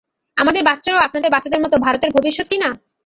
আমাদের বাচ্চারাও আপনাদের বাচ্চাদের মতো ভারতের ভবিষ্যত কি না?